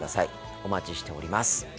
お待ちしております。